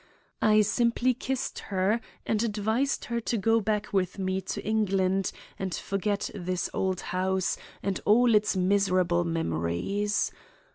I simply kissed her and advised her to go back with me to England and forget this old house and all its miserable memories.